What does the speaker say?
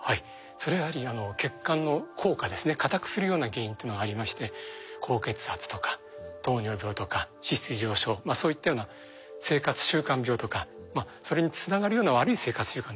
それはやはり血管の硬化ですね硬くするような原因というのがありまして高血圧とか糖尿病とか脂質異常症そういったような生活習慣病とかそれにつながるような悪い生活習慣ですね